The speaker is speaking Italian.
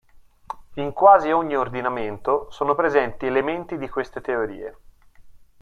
In quasi ogni ordinamento, sono presenti elementi di queste teorie.